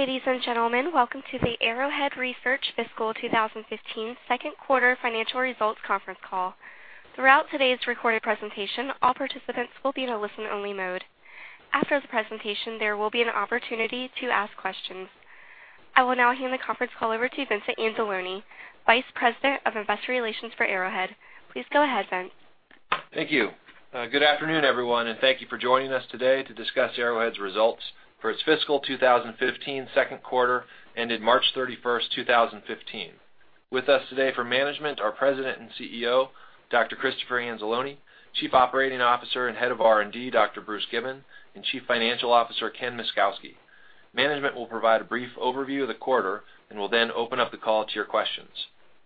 Ladies and gentlemen, welcome to the Arrowhead Research Fiscal 2015 second quarter financial results conference call. Throughout today's recorded presentation, all participants will be in a listen-only mode. After the presentation, there will be an opportunity to ask questions. I will now hand the conference call over to Vincent Anzalone, Vice President of Investor Relations for Arrowhead. Please go ahead, Vince. Thank you. Good afternoon, everyone, and thank you for joining us today to discuss Arrowhead's results for its fiscal 2015 second quarter ended March 31st, 2015. With us today for management, are President and CEO, Dr. Christopher Anzalone, Chief Operating Officer and Head of R&D, Dr. Bruce Given, and Chief Financial Officer, Ken Myszkowski. Management will provide a brief overview of the quarter and will then open up the call to your questions.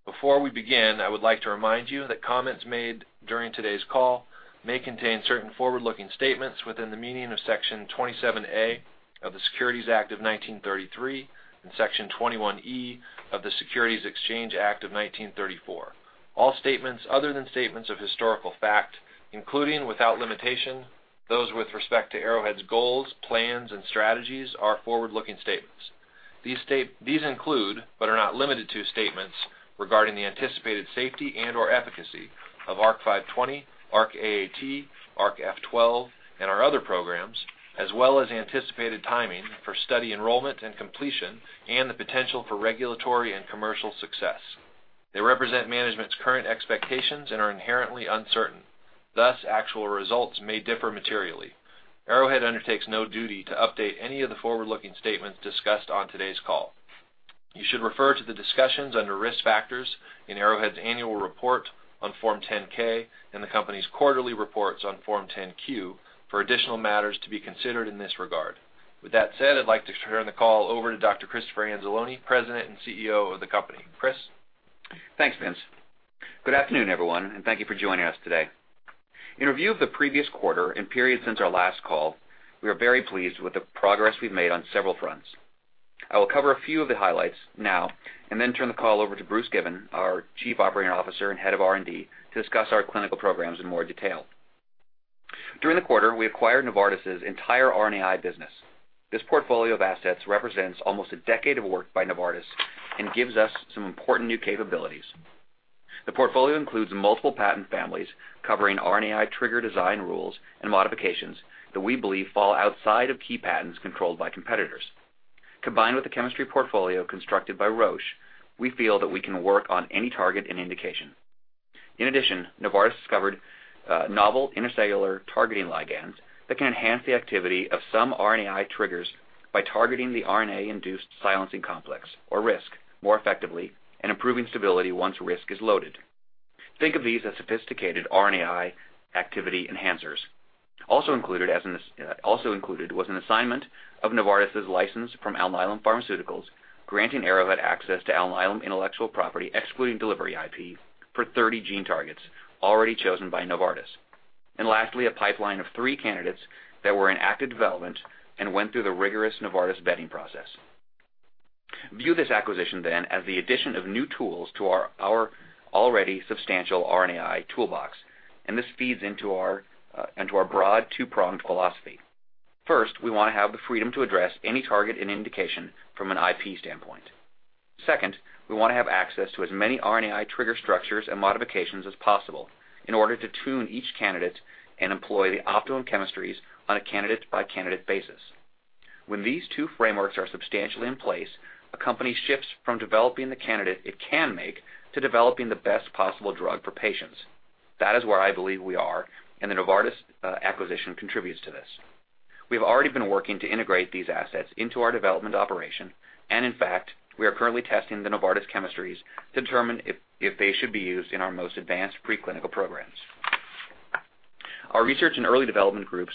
Before we begin, I would like to remind you that comments made during today's call may contain certain forward-looking statements within the meaning of Section 27A of the Securities Act of 1933 and Section 21E of the Securities Exchange Act of 1934. All statements other than statements of historical fact, including, without limitation, those with respect to Arrowhead's goals, plans, and strategies, are forward-looking statements. These include, but are not limited to, statements regarding the anticipated safety and/or efficacy of ARC-520, ARC-AAT, ARC-F12, and our other programs, as well as the anticipated timing for study enrollment and completion, and the potential for regulatory and commercial success. They represent management's current expectations and are inherently uncertain. Thus, actual results may differ materially. Arrowhead undertakes no duty to update any of the forward-looking statements discussed on today's call. You should refer to the discussions under Risk Factors in Arrowhead's annual report on Form 10-K and the company's quarterly reports on Form 10-Q for additional matters to be considered in this regard. With that said, I'd like to turn the call over to Dr. Christopher Anzalone, President and CEO of the company. Chris? Thanks, Vince. Good afternoon, everyone, and thank you for joining us today. In review of the previous quarter and period since our last call, we are very pleased with the progress we've made on several fronts. I will cover a few of the highlights now and then turn the call over to Bruce Given, our Chief Operating Officer and Head of R&D, to discuss our clinical programs in more detail. During the quarter, we acquired Novartis' entire RNAi business. This portfolio of assets represents almost a decade of work by Novartis and gives us some important new capabilities. The portfolio includes multiple patent families covering RNAi trigger design rules and modifications that we believe fall outside of key patents controlled by competitors. Combined with the chemistry portfolio constructed by Roche, we feel that we can work on any target and indication. In addition, Novartis discovered novel intracellular targeting ligands that can enhance the activity of some RNAi triggers by targeting the RNA-induced silencing complex, or RISC, more effectively and improving stability once RISC is loaded. Think of these as sophisticated RNAi activity enhancers. Also included was an assignment of Novartis' license from Alnylam Pharmaceuticals, granting Arrowhead access to Alnylam intellectual property, excluding delivery IP, for 30 gene targets already chosen by Novartis. Lastly, a pipeline of 3 candidates that were in active development and went through the rigorous Novartis vetting process. View this acquisition then as the addition of new tools to our already substantial RNAi toolbox, this feeds into our broad two-pronged philosophy. First, we want to have the freedom to address any target and indication from an IP standpoint. Second, we want to have access to as many RNAi trigger structures and modifications as possible in order to tune each candidate and employ the optimum chemistries on a candidate-by-candidate basis. When these two frameworks are substantially in place, a company shifts from developing the candidate it can make to developing the best possible drug for patients. That is where I believe we are, the Novartis acquisition contributes to this. We've already been working to integrate these assets into our development operation, in fact, we are currently testing the Novartis chemistries to determine if they should be used in our most advanced preclinical programs. Our research and early development groups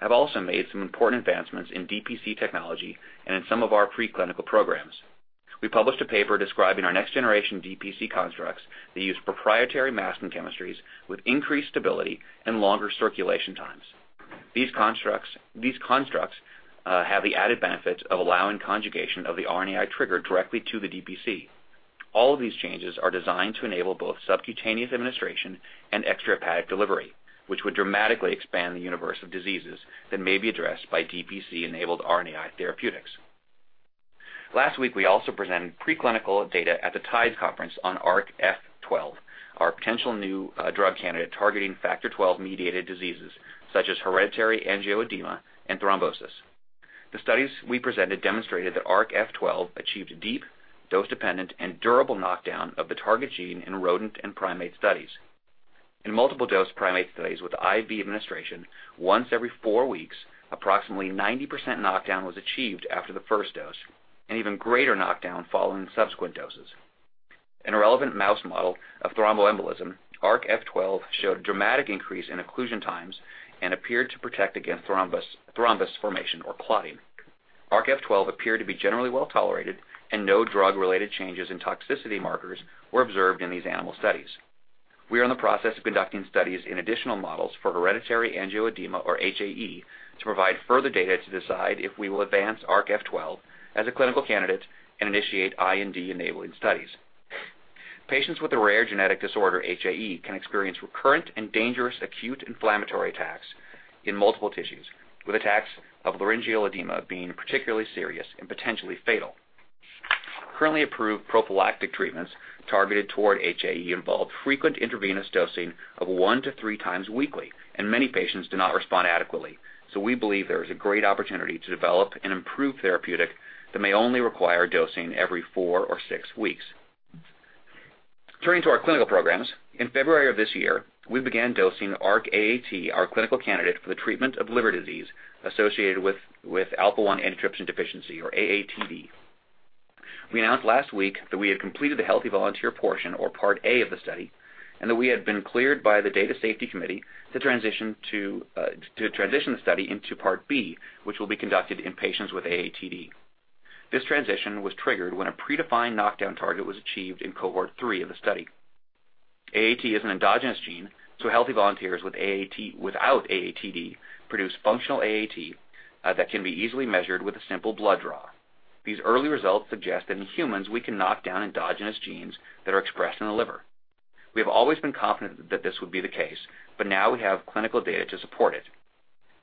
have also made some important advancements in DPC technology and in some of our preclinical programs. We published a paper describing our next-generation DPC constructs that use proprietary masking chemistries with increased stability and longer circulation times. These constructs have the added benefit of allowing conjugation of the RNAi trigger directly to the DPC. All of these changes are designed to enable both subcutaneous administration and extrahepatic delivery, which would dramatically expand the universe of diseases that may be addressed by DPC-enabled RNAi therapeutics. Last week, we also presented preclinical data at the TIDES Conference on ARC-F12, our potential new drug candidate targeting factor XII-mediated diseases such as hereditary angioedema and thrombosis. The studies we presented demonstrated that ARC-F12 achieved deep, dose-dependent, and durable knockdown of the target gene in rodent and primate studies. In multiple dose primate studies with IV administration, once every 4 weeks, approximately 90% knockdown was achieved after the first dose, even greater knockdown following subsequent doses. In a relevant mouse model of thromboembolism, ARC-F12 showed a dramatic increase in occlusion times, appeared to protect against thrombus formation or clotting. ARC-F12 appeared to be generally well-tolerated, no drug-related changes in toxicity markers were observed in these animal studies. We are in the process of conducting studies in additional models for hereditary angioedema, or HAE, to provide further data to decide if we will advance ARC-F12 as a clinical candidate and initiate IND-enabling studies. Patients with a rare genetic disorder, HAE, can experience recurrent and dangerous acute inflammatory attacks in multiple tissues, with attacks of laryngeal edema being particularly serious and potentially fatal. Currently approved prophylactic treatments targeted toward HAE involve frequent intravenous dosing of one to three times weekly, many patients do not respond adequately. We believe there is a great opportunity to develop an improved therapeutic that may only require dosing every four or six weeks. Turning to our clinical programs, in February of this year, we began dosing ARC-AAT, our clinical candidate for the treatment of liver disease associated with alpha-1 antitrypsin deficiency, or AATD. We announced last week that we had completed the healthy volunteer portion, or Part A of the study, and that we had been cleared by the data safety committee to transition the study into Part B, which will be conducted in patients with AATD. This transition was triggered when a predefined knockdown target was achieved in cohort 3 of the study. AAT is an endogenous gene, so healthy volunteers without AATD produce functional AAT that can be easily measured with a simple blood draw. These early results suggest that in humans, we can knock down endogenous genes that are expressed in the liver. We have always been confident that this would be the case, but now we have clinical data to support it.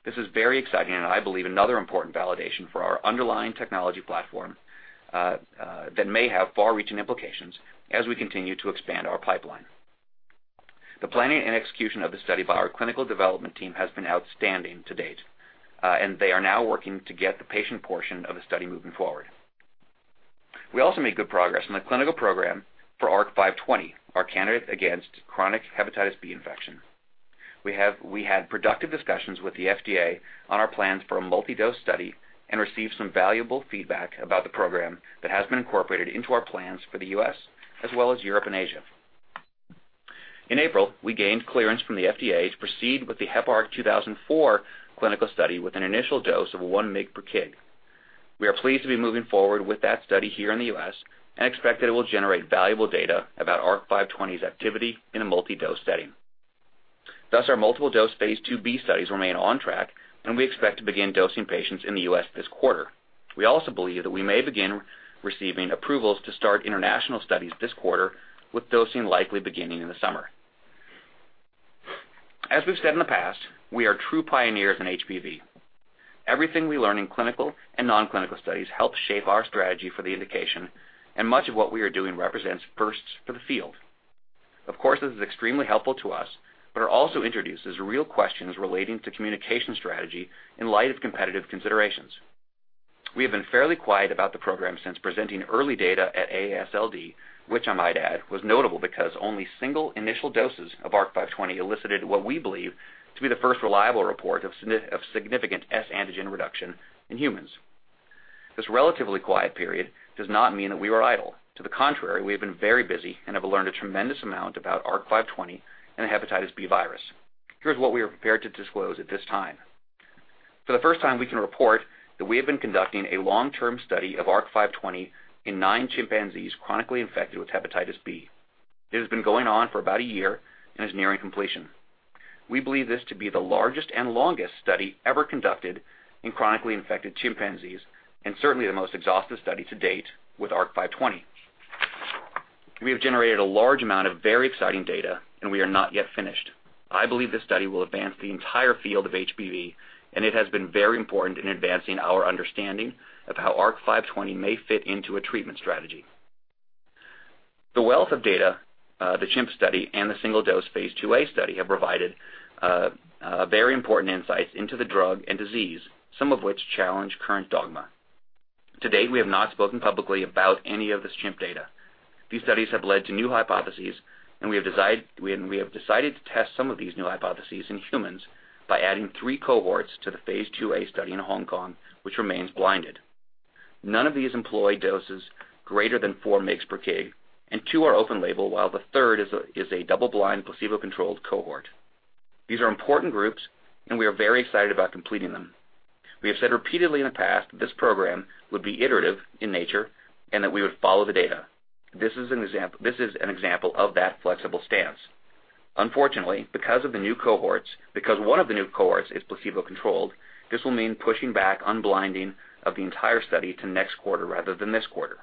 This is very exciting, and I believe another important validation for our underlying technology platform that may have far-reaching implications as we continue to expand our pipeline. The planning and execution of the study by our clinical development team has been outstanding to date, and they are now working to get the patient portion of the study moving forward. We also made good progress in the clinical program for ARC-520, our candidate against chronic hepatitis B infection. We had productive discussions with the FDA on our plans for a multi-dose study and received some valuable feedback about the program that has been incorporated into our plans for the U.S., as well as Europe and Asia. In April, we gained clearance from the FDA to proceed with the Heparc-2004 clinical study with an initial dose of 1 mg per kg. We are pleased to be moving forward with that study here in the U.S. and expect that it will generate valuable data about ARC-520's activity in a multi-dose setting. Thus, our multiple dose phase IIb studies remain on track, and we expect to begin dosing patients in the U.S. this quarter. We also believe that we may begin receiving approvals to start international studies this quarter, with dosing likely beginning in the summer. As we've said in the past, we are true pioneers in HBV. Everything we learn in clinical and non-clinical studies helps shape our strategy for the indication, and much of what we are doing represents firsts for the field. Of course, this is extremely helpful to us, but it also introduces real questions relating to communication strategy in light of competitive considerations. We have been fairly quiet about the program since presenting early data at AASLD, which I might add, was notable because only single initial doses of ARC-520 elicited what we believe to be the first reliable report of significant S antigen reduction in humans. This relatively quiet period does not mean that we were idle. To the contrary, we have been very busy and have learned a tremendous amount about ARC-520 and the hepatitis B virus. Here's what we are prepared to disclose at this time. For the first time, we can report that we have been conducting a long-term study of ARC-520 in nine chimpanzees chronically infected with hepatitis B. It has been going on for about a year and is nearing completion. We believe this to be the largest and longest study ever conducted in chronically infected chimpanzees and certainly the most exhaustive study to date with ARC-520. We have generated a large amount of very exciting data, and we are not yet finished. I believe this study will advance the entire field of HBV, and it has been very important in advancing our understanding of how ARC-520 may fit into a treatment strategy. The wealth of data, the chimp study, and the single-dose phase IIa study have provided very important insights into the drug and disease, some of which challenge current dogma. To date, we have not spoken publicly about any of this chimp data. These studies have led to new hypotheses, and we have decided to test some of these new hypotheses in humans by adding three cohorts to the phase IIa study in Hong Kong, which remains blinded. None of these employ doses greater than four mgs per kg, and two are open label, while the third is a double-blind, placebo-controlled cohort. These are important groups, and we are very excited about completing them. We have said repeatedly in the past that this program would be iterative in nature and that we would follow the data. This is an example of that flexible stance. Unfortunately, because one of the new cohorts is placebo-controlled, this will mean pushing back unblinding of the entire study to next quarter rather than this quarter.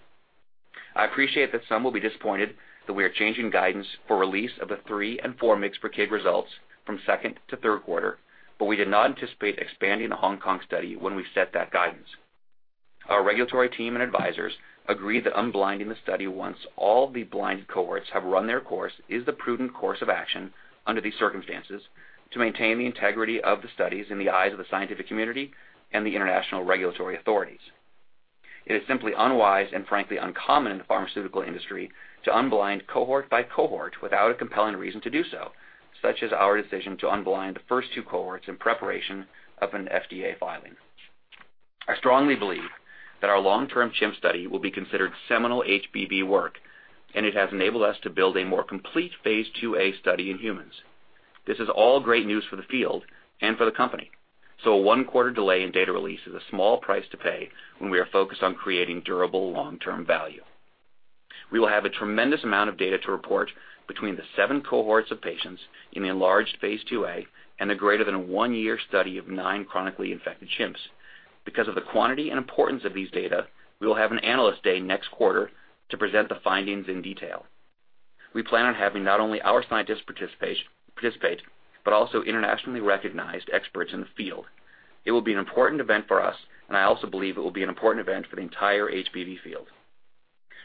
I appreciate that some will be disappointed that we are changing guidance for release of the three and four mgs per kg results from second to third quarter, but we did not anticipate expanding the Hong Kong study when we set that guidance. Our regulatory team and advisors agreed that unblinding the study once all the blinded cohorts have run their course is the prudent course of action under these circumstances to maintain the integrity of the studies in the eyes of the scientific community and the international regulatory authorities. It is simply unwise and frankly uncommon in the pharmaceutical industry to unblind cohort by cohort without a compelling reason to do so, such as our decision to unblind the first two cohorts in preparation of an FDA filing. I strongly believe that our long-term chimp study will be considered seminal HBV work, and it has enabled us to build a more complete phase IIa study in humans. A one-quarter delay in data release is a small price to pay when we are focused on creating durable long-term value. We will have a tremendous amount of data to report between the seven cohorts of patients in the enlarged phase IIa and the greater than one-year study of nine chronically infected chimps. Because of the quantity and importance of these data, we will have an Analyst Day next quarter to present the findings in detail. We plan on having not only our scientists participate but also internationally recognized experts in the field. It will be an important event for us. I also believe it will be an important event for the entire HBV field.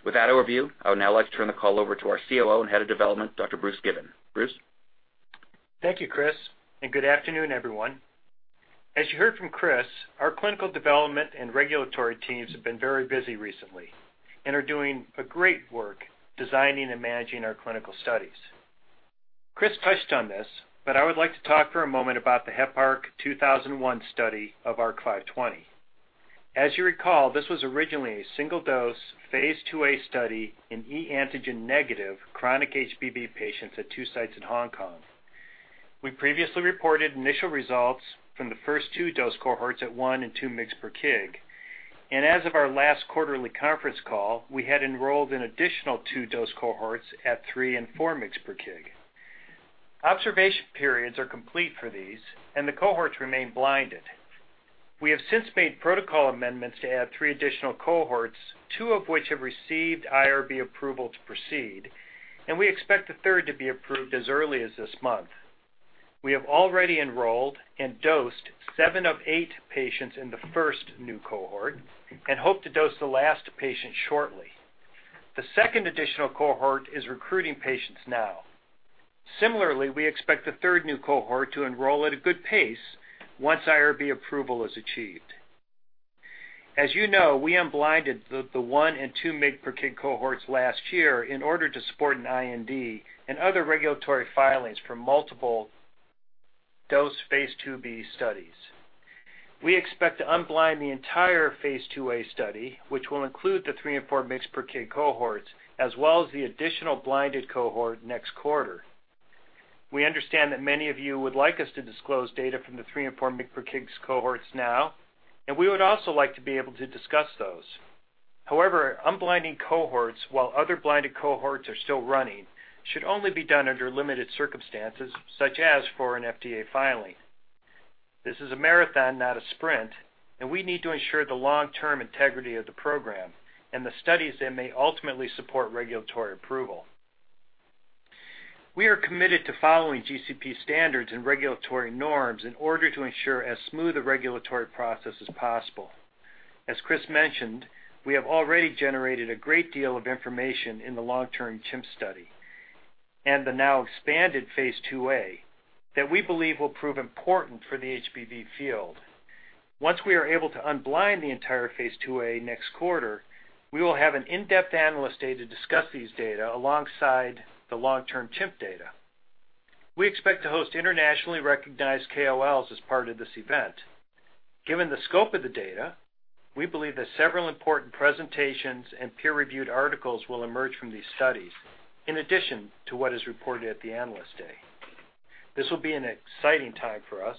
With that overview, I would now like to turn the call over to our COO and Head of Development, Dr. Bruce Given. Bruce? Thank you, Chris, and good afternoon, everyone. As you heard from Chris, our clinical development and regulatory teams have been very busy recently and are doing great work designing and managing our clinical studies. Chris touched on this, but I would like to talk for a moment about the Heparc-2001 study of ARC-520. As you recall, this was originally a single-dose phase IIa study in e antigen negative chronic HBV patients at two sites in Hong Kong. We previously reported initial results from the first two dose cohorts at one and two mg per kg. As of our last quarterly conference call, we had enrolled an additional two dose cohorts at three and four mg per kg. Observation periods are complete for these, and the cohorts remain blinded. We have since made protocol amendments to add three additional cohorts, two of which have received IRB approval to proceed. We expect the third to be approved as early as this month. We have already enrolled and dosed seven of eight patients in the first new cohort and hope to dose the last patient shortly. The second additional cohort is recruiting patients now. Similarly, we expect the third new cohort to enroll at a good pace once IRB approval is achieved. As you know, we unblinded the one and two mg per kg cohorts last year in order to support an IND and other regulatory filings for multiple dose phase IIb studies. We expect to unblind the entire phase IIa study, which will include the three and four mg per kg cohorts, as well as the additional blinded cohort next quarter. We understand that many of you would like us to disclose data from the three and four mg per kg cohorts now. We would also like to be able to discuss those. However, unblinding cohorts while other blinded cohorts are still running should only be done under limited circumstances, such as for an FDA filing. This is a marathon, not a sprint. We need to ensure the long-term integrity of the program and the studies that may ultimately support regulatory approval. We are committed to following GCP standards and regulatory norms in order to ensure as smooth a regulatory process as possible. As Chris mentioned, we have already generated a great deal of information in the long-term chimp study and the now expanded phase IIa that we believe will prove important for the HBV field. Once we are able to unblind the entire phase IIa next quarter, we will have an in-depth Analyst Day to discuss these data alongside the long-term chimp data. We expect to host internationally recognized KOLs as part of this event. Given the scope of the data, we believe that several important presentations and peer-reviewed articles will emerge from these studies, in addition to what is reported at the Analyst Day. This will be an exciting time for us.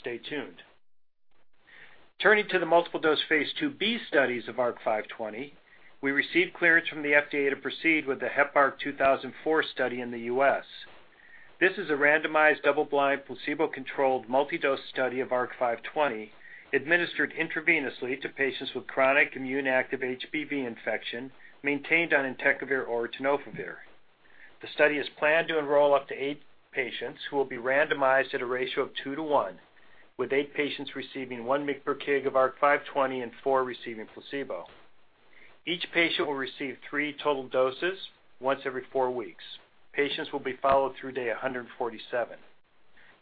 Stay tuned. Turning to the multiple dose phase IIb studies of ARC-520, we received clearance from the FDA to proceed with the Heparc-2004 study in the U.S. This is a randomized, double-blind, placebo-controlled, multi-dose study of ARC-520 administered intravenously to patients with chronic immune-active HBV infection maintained on entecavir or tenofovir. The study is planned to enroll up to eight patients who will be randomized at a ratio of two to one, with eight patients receiving one mg per kg of ARC-520 and four receiving placebo. Each patient will receive three total doses once every four weeks. Patients will be followed through day 147.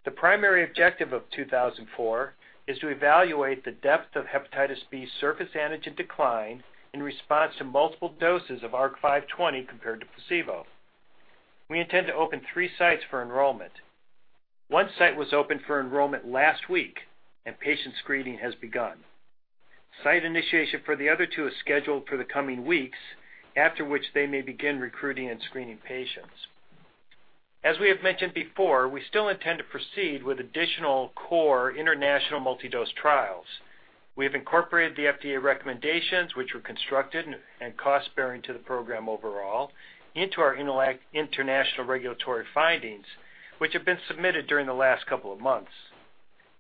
The primary objective of Heparc-2004 is to evaluate the depth of hepatitis B surface antigen decline in response to multiple doses of ARC-520 compared to placebo. We intend to open three sites for enrollment. One site was opened for enrollment last week, and patient screening has begun. Site initiation for the other two is scheduled for the coming weeks, after which they may begin recruiting and screening patients. As we have mentioned before, we still intend to proceed with additional core international multidose trials. We have incorporated the FDA recommendations, which were constructive and cost-bearing to the program overall, into our [intellect international regulatory findings], which have been submitted during the last couple of months.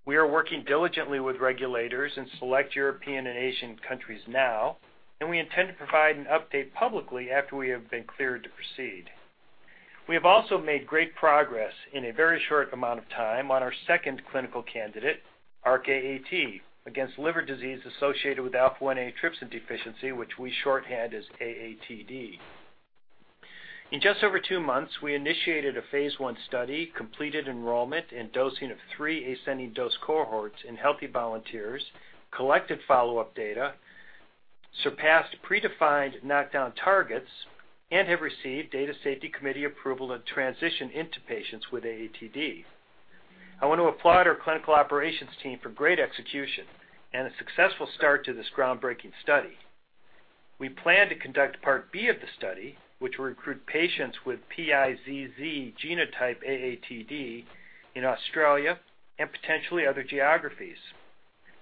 We are working diligently with regulators in select European and Asian countries now, and we intend to provide an update publicly after we have been cleared to proceed. We have also made great progress in a very short amount of time on our second clinical candidate, ARC-AAT, against liver disease associated with alpha-1 antitrypsin deficiency, which we shorthand as AATD. In just over two months, we initiated a phase I study, completed enrollment and dosing of three ascending dose cohorts in healthy volunteers, collected follow-up data, surpassed predefined knockdown targets, and have received data safety committee approval to transition into patients with AATD. I want to applaud our clinical operations team for great execution and a successful start to this groundbreaking study. We plan to conduct Part B of the study, which will recruit patients with PiZZ genotype AATD in Australia and potentially other geographies.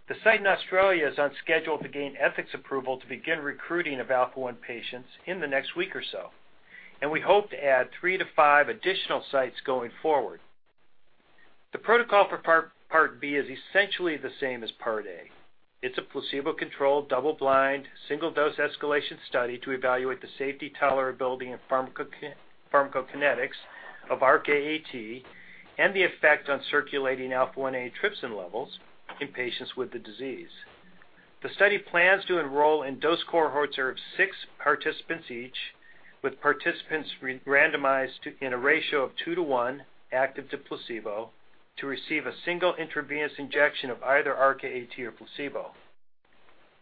The site in Australia is on schedule to gain ethics approval to begin recruiting of alpha-1 patients in the next week or so, and we hope to add three to five additional sites going forward. The protocol for Part B is essentially the same as Part A. It's a placebo-controlled, double-blind, single-dose escalation study to evaluate the safety, tolerability, and pharmacokinetics of ARC-AAT and the effect on circulating alpha-1 antitrypsin levels in patients with the disease. The study plans to enroll in dose cohorts of six participants each, with participants randomized in a ratio of two to one active to placebo to receive a single intravenous injection of either ARC-AAT or placebo.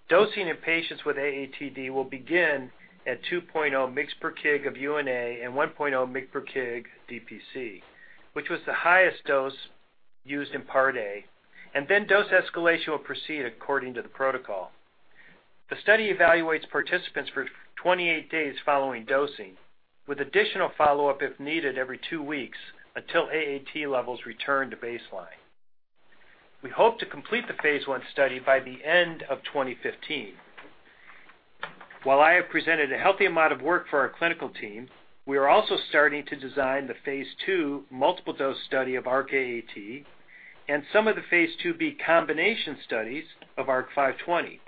Dosing in patients with AATD will begin at 2.0 mg per kg of UNA and 1.0 mg per kg DPC, which was the highest dose used in Part A, and then dose escalation will proceed according to the protocol. The study evaluates participants for 28 days following dosing, with additional follow-up if needed every two weeks until AAT levels return to baseline. We hope to complete the phase I study by the end of 2015. While I have presented a healthy amount of work for our clinical team, we are also starting to design the phase II multiple dose study of ARC-AAT and some of the phase IIb combination studies of ARC-520.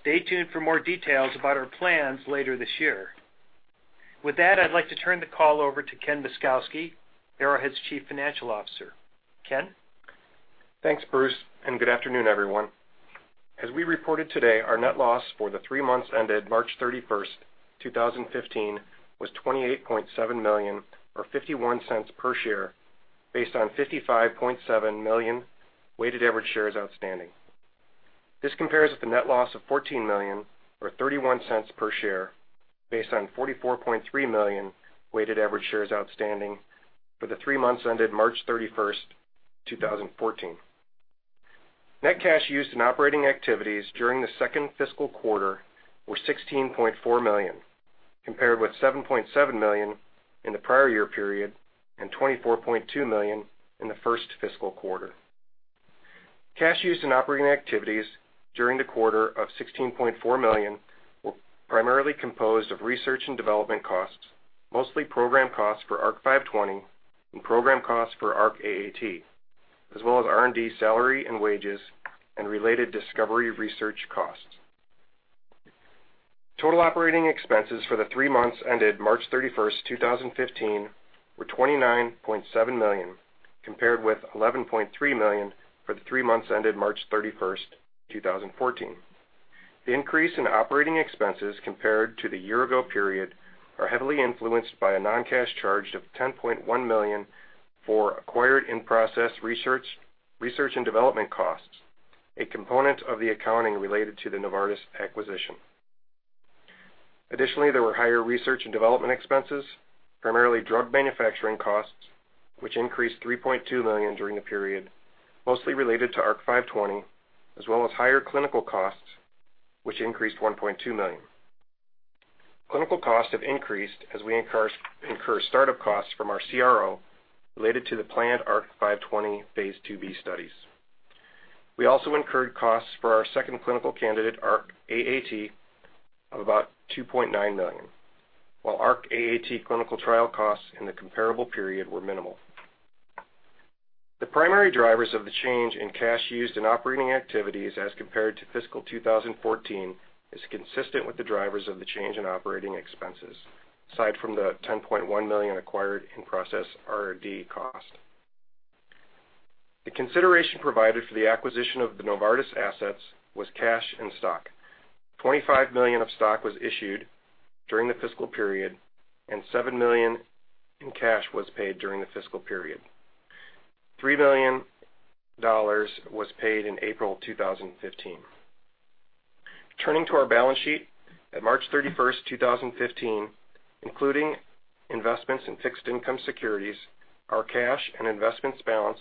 Stay tuned for more details about our plans later this year. With that, I'd like to turn the call over to Ken Myszkowski, Arrowhead's Chief Financial Officer. Ken? Thanks, Bruce, and good afternoon, everyone. As we reported today, our net loss for the three months ended March 31st, 2015, was $28.7 million or $0.51 per share based on 55.7 million weighted average shares outstanding. This compares with the net loss of $14 million or $0.31 per share based on 44.3 million weighted average shares outstanding for the three months ended March 31st, 2014. Net cash used in operating activities during the second fiscal quarter were $16.4 million, compared with $7.7 million in the prior year period and $24.2 million in the first fiscal quarter. Cash used in operating activities during the quarter of $16.4 million were primarily composed of research and development costs, mostly program costs for ARC-520 and program costs for ARC-AAT, as well as R&D salary and wages and related discovery research costs. Total operating expenses for the three months ended March 31st, 2015, were $29.7 million, compared with $11.3 million for the three months ended March 31st, 2014. The increase in operating expenses compared to the year ago period are heavily influenced by a non-cash charge of $10.1 million for acquired in-process research and development costs, a component of the accounting related to the Novartis acquisition. Additionally, there were higher research and development expenses, primarily drug manufacturing costs, which increased $3.2 million during the period, mostly related to ARC-520, as well as higher clinical costs, which increased $1.2 million. Clinical costs have increased as we incur startup costs from our CRO related to the planned ARC-520 phase IIb studies. We also incurred costs for our second clinical candidate, ARC-AAT, of about $2.9 million. While ARC-AAT clinical trial costs in the comparable period were minimal. The primary drivers of the change in cash used in operating activities as compared to fiscal 2014 is consistent with the drivers of the change in operating expenses, aside from the $10.1 million acquired in process R&D cost. The consideration provided for the acquisition of the Novartis assets was cash and stock. $25 million of stock was issued during the fiscal period, and $7 million in cash was paid during the fiscal period. $3 million was paid in April 2015. Turning to our balance sheet at March 31st, 2015, including investments in fixed income securities, our cash and investments balance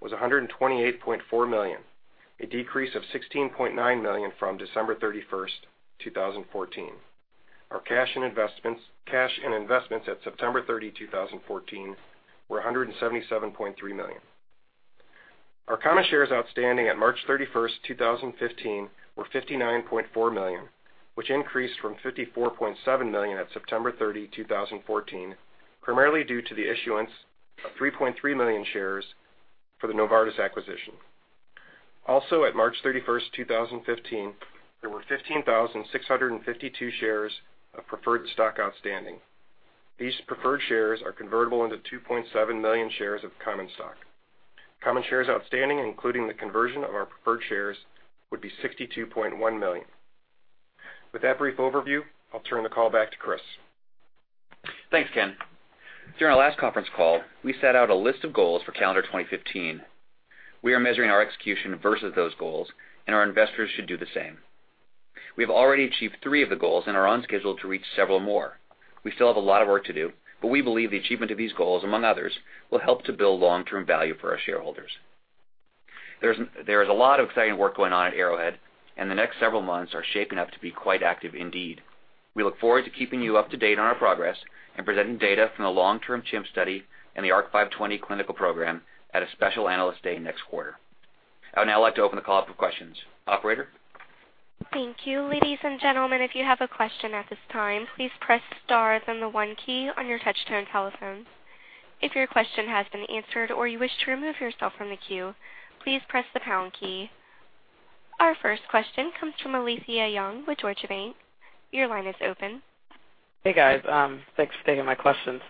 was $128.4 million, a decrease of $16.9 million from December 31st, 2014. Our cash and investments at September 30, 2014, were $177.3 million. Our common shares outstanding at March 31st, 2015, were 59.4 million, which increased from 54.7 million at September 30, 2014, primarily due to the issuance of 3.3 million shares for the Novartis acquisition. Also at March 31st, 2015, there were 15,652 shares of preferred stock outstanding. These preferred shares are convertible into 2.7 million shares of common stock. Common shares outstanding, including the conversion of our preferred shares, would be 62.1 million. With that brief overview, I'll turn the call back to Chris. Thanks, Ken. During our last conference call, we set out a list of goals for calendar 2015. We are measuring our execution versus those goals, our investors should do the same. We have already achieved three of the goals and are on schedule to reach several more. We still have a lot of work to do, we believe the achievement of these goals, among others, will help to build long-term value for our shareholders. There is a lot of exciting work going on at Arrowhead, the next several months are shaping up to be quite active indeed. We look forward to keeping you up to date on our progress and presenting data from the long-term chimp study and the ARC-520 clinical program at a special Analyst Day next quarter. I would now like to open the call up for questions. Operator? Thank you. Ladies and gentlemen, if you have a question at this time, please press star, then the one key on your touch-tone telephones. If your question has been answered or you wish to remove yourself from the queue, please press the pound key. Our first question comes from Alethia Young with Deutsche Bank. Your line is open. Hey, guys. Thanks for taking my questions.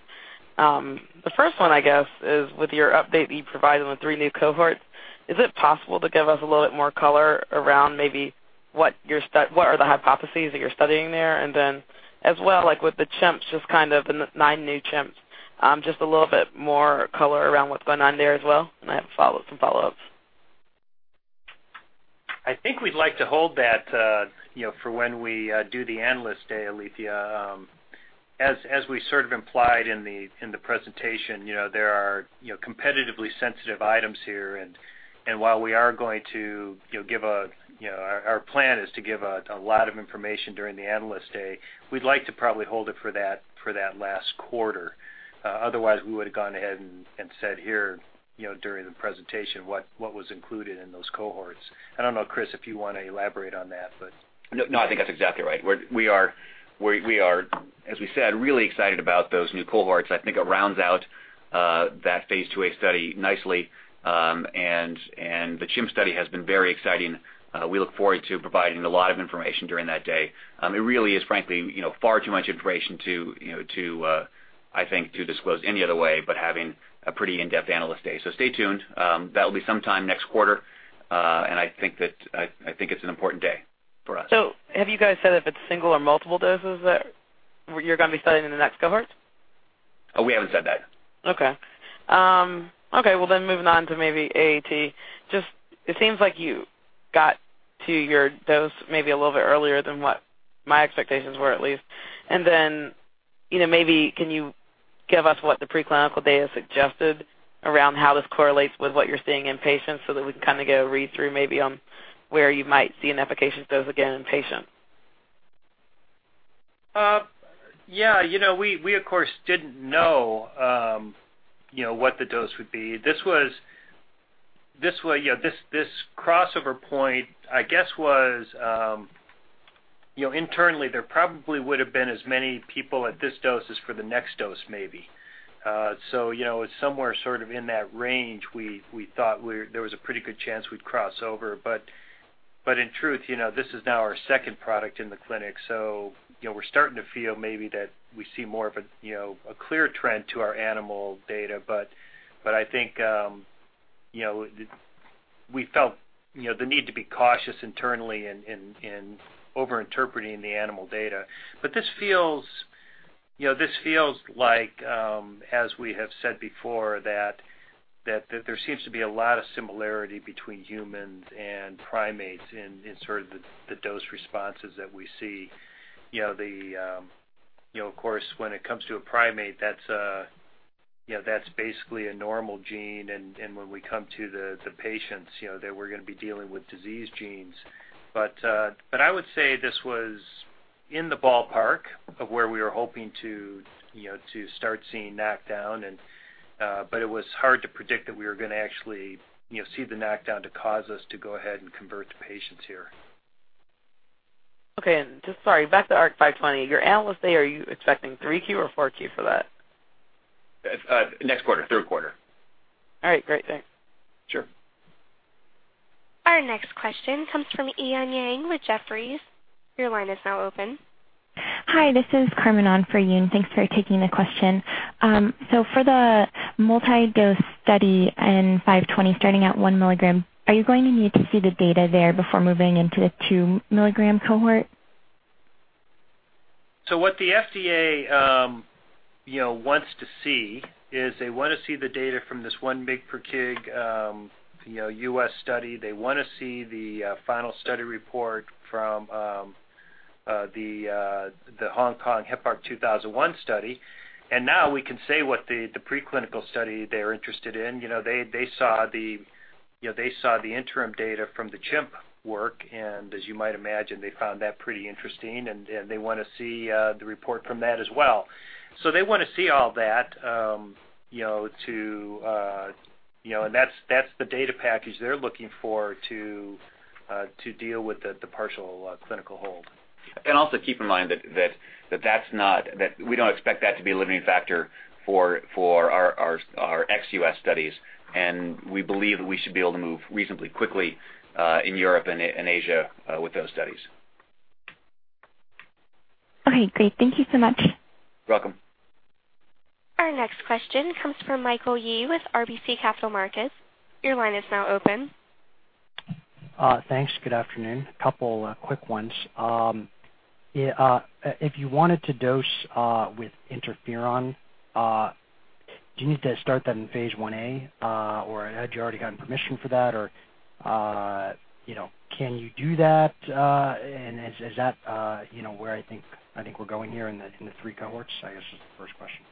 The first one, I guess, is with your update that you provided on the three new cohorts, is it possible to give us a little bit more color around maybe what are the hypotheses that you're studying there? Then as well, like with the chimps, just kind of the nine new chimps, just a little bit more color around what's going on there as well. I have some follow-ups. I think we'd like to hold that for when we do the Analyst Day, Alethia. As we sort of implied in the presentation, there are competitively sensitive items here, and while our plan is to give a lot of information during the Analyst Day, we'd like to probably hold it for that last quarter. Otherwise, we would have gone ahead and said here during the presentation what was included in those cohorts. I don't know, Chris, if you want to elaborate on that. I think that's exactly right. We are, as we said, really excited about those new cohorts. I think it rounds out that phase IIa study nicely. The chimp study has been very exciting. We look forward to providing a lot of information during that day. It really is frankly far too much information, I think, to disclose any other way, but having a pretty in-depth Analyst Day. Stay tuned. That'll be sometime next quarter. I think it's an important day for us. Have you guys said if it's single or multiple doses that you're going to be studying in the next cohorts? We haven't said that. Moving on to maybe AAT. It seems like you got to your dose maybe a little bit earlier than what my expectations were, at least. Maybe can you give us what the preclinical data suggested around how this correlates with what you're seeing in patients so that we can kind of get a read-through maybe on where you might see an efficacious dose again in patients? We of course didn't know what the dose would be. This crossover point, I guess, was internally there probably would have been as many people at this dose as for the next dose maybe. It's somewhere sort of in that range we thought there was a pretty good chance we'd cross over. In truth, this is now our second product in the clinic, so we're starting to feel maybe that we see more of a clear trend to our animal data. I think we felt the need to be cautious internally in overinterpreting the animal data. This feels like as we have said before, that there seems to be a lot of similarity between humans and primates in sort of the dose responses that we see. Of course, when it comes to a primate, that's basically a normal gene, and when we come to the patients that we're going to be dealing with diseased genes. I would say this was in the ballpark of where we were hoping to start seeing knockdown. It was hard to predict that we were going to actually see the knockdown to cause us to go ahead and convert to patients here. Sorry, back to ARC-520. Your Analyst Day, are you expecting 3Q or 4Q for that? Next quarter, third quarter. All right, great. Thanks. Sure. Our next question comes from Yoon Yang with Jefferies. Your line is now open. Hi, this is Carmen on for Yoon. Thanks for taking the question. For the multi-dose study in 520 starting at one milligram, are you going to need to see the data there before moving into the two-milligram cohort? What the FDA wants to see is they want to see the data from this 1 mg per kg U.S. study. They want to see the final study report from the Hong Kong Heparc-2001 study. Now we can say what the preclinical study they're interested in. They saw the interim data from the chimp work, and as you might imagine, they found that pretty interesting, and they want to see the report from that as well. They want to see all that, and that's the data package they're looking for to deal with the partial clinical hold. Also keep in mind that we don't expect that to be a limiting factor for our ex-U.S. studies, and we believe that we should be able to move reasonably quickly in Europe and Asia with those studies. Okay, great. Thank you so much. Welcome. Our next question comes from Michael Yee with RBC Capital Markets. Your line is now open. Thanks. Good afternoon. A couple quick ones. If you wanted to dose with interferon, do you need to start that in phase I-A, or had you already gotten permission for that, or can you do that? Is that where I think we're going here in the three cohorts, I guess is the first question.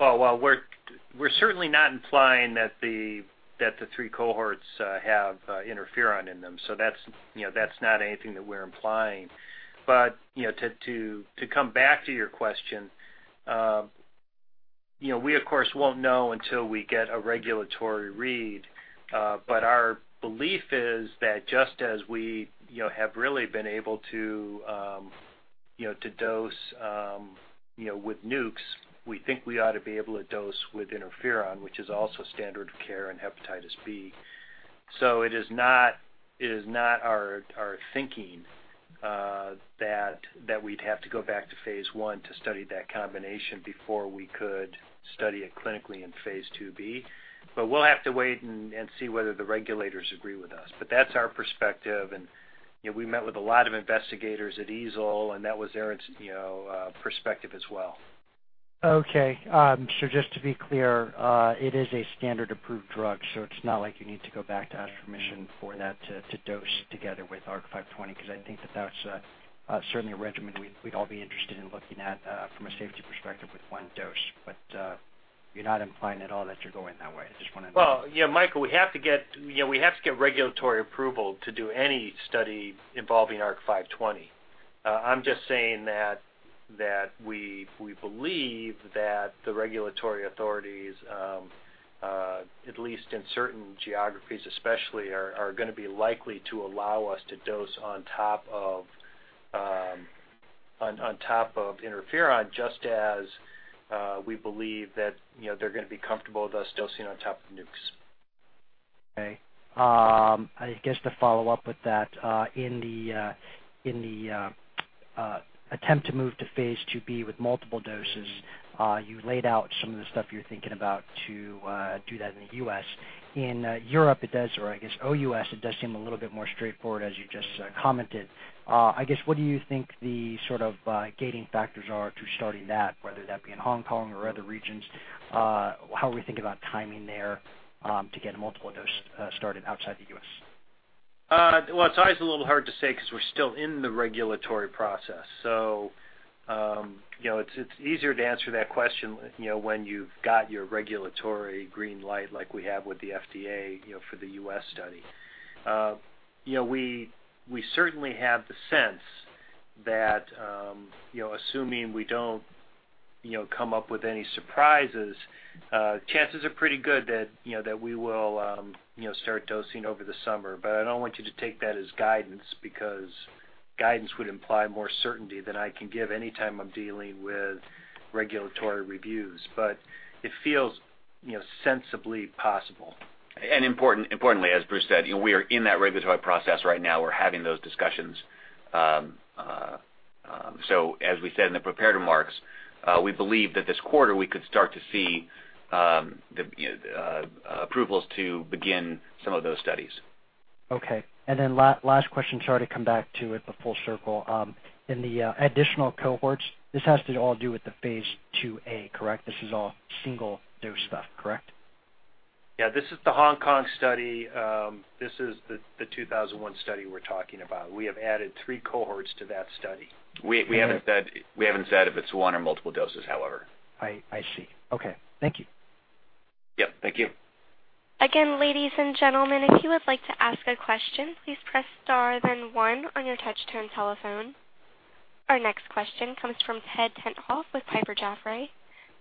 Well, we're certainly not implying that the three cohorts have interferon in them. That's not anything that we're implying. To come back to your question, we, of course, won't know until we get a regulatory read. Our belief is that just as we have really been able to dose with nukes, we think we ought to be able to dose with interferon, which is also standard of care in hepatitis B. It is not our thinking that we'd have to go back to phase I to study that combination before we could study it clinically in phase IIb. We'll have to wait and see whether the regulators agree with us. That's our perspective, and we met with a lot of investigators at EASL, and that was their perspective as well. Okay. Just to be clear, it is a standard approved drug, so it's not like you need to go back to ask permission for that to dose together with ARC-520, because I think that that's certainly a regimen we'd all be interested in looking at from a safety perspective with one dose. You're not implying at all that you're going that way. Well, yeah, Michael, we have to get regulatory approval to do any study involving ARC-520. I'm just saying that we believe that the regulatory authorities, at least in certain geographies especially, are going to be likely to allow us to dose on top of interferon, just as we believe that they're going to be comfortable with us dosing on top of nukes. Okay. I guess to follow up with that, in the attempt to move to phase IIb with multiple doses, you laid out some of the stuff you're thinking about to do that in the U.S. In Europe, it does, or I guess OUS, it does seem a little bit more straightforward, as you just commented. I guess, what do you think the sort of gating factors are to starting that, whether that be in Hong Kong or other regions? How are we thinking about timing there to get multiple dose started outside the U.S.? It's always a little hard to say because we're still in the regulatory process. It's easier to answer that question when you've got your regulatory green light like we have with the FDA for the U.S. study. We certainly have the sense that assuming we don't come up with any surprises, chances are pretty good that we will start dosing over the summer. I don't want you to take that as guidance, because guidance would imply more certainty than I can give any time I'm dealing with regulatory reviews. It feels sensibly possible. Importantly, as Bruce said, we are in that regulatory process right now. We're having those discussions. As we said in the prepared remarks, we believe that this quarter we could start to see approvals to begin some of those studies. Okay. Last question, sorry to come back to it, full circle. In the additional cohorts, this has to all do with the phase IIa, correct? This is all single dose stuff, correct? Yeah, this is the Hong Kong study. This is the 2001 study we're talking about. We have added three cohorts to that study. We haven't said if it's one or multiple doses, however. I see. Okay. Thank you. Yep, thank you. Again, ladies and gentlemen, if you would like to ask a question, please press star then one on your touch-tone telephone. Our next question comes from Ted Tenthoff with Piper Jaffray.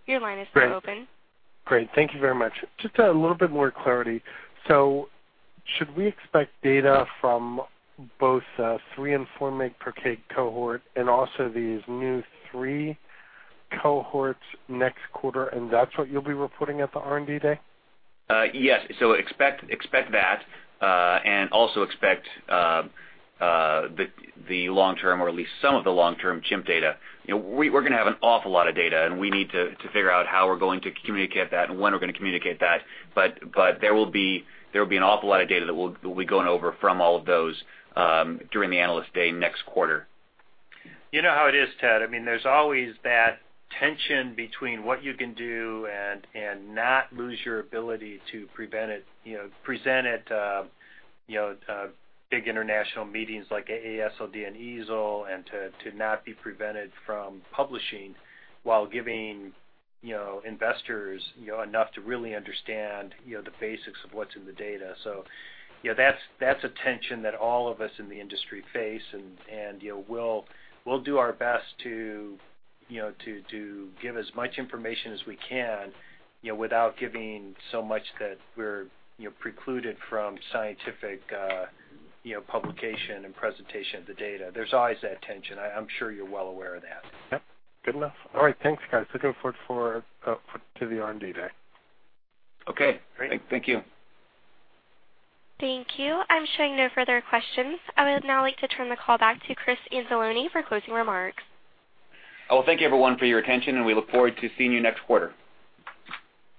Your line is now open. Great. Thank you very much. Just a little bit more clarity. Should we expect data from both three and four mg per kg cohort and also these new three cohorts next quarter, and that's what you'll be reporting at the R&D Day? Yes. Expect that, and also expect the long-term or at least some of the long-term chimp data. We're going to have an awful lot of data, and we need to figure out how we're going to communicate that and when we're going to communicate that. There will be an awful lot of data that we'll be going over from all of those during the Analyst Day next quarter. You know how it is, Ted. There's always that tension between what you can do and not lose your ability to present at big international meetings like AASLD and EASL and to not be prevented from publishing while giving investors enough to really understand the basics of what's in the data. That's a tension that all of us in the industry face, and we'll do our best to give as much information as we can without giving so much that we're precluded from scientific publication and presentation of the data. There's always that tension. I'm sure you're well aware of that. Yep. Good enough. All right. Thanks, guys. Looking forward to the R&D Day. Okay. Great. Thank you. Thank you. I'm showing no further questions. I would now like to turn the call back to Christopher Anzalone for closing remarks. Well, thank you everyone for your attention, we look forward to seeing you next quarter.